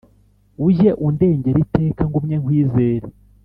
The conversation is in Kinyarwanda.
Ujye undengera iteka ngumye nkwizere